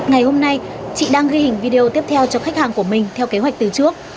ngày hôm nay chị đang ghi hình video tiếp theo cho khách hàng của mình theo kế hoạch từ trước